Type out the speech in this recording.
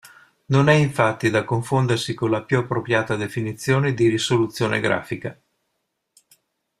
Non è infatti da confondersi con la più appropriata definizione di risoluzione grafica.